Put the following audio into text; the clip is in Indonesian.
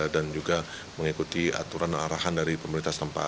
dan juga mengikuti aturan dan arahan dari pemerintah setempat